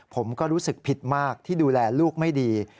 ผมก็รู้สึกผิดมากที่ดูแลลูกไม่ดี